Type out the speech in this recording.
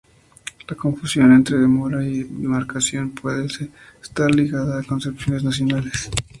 La confusión entre demora y marcación parece estar ligada a concepciones nacionales.